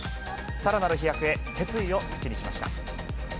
さらなる飛躍へ決意を口にしました。